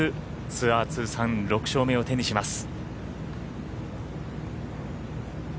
ツアー通算６勝目を手にします。